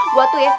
gue tuh ya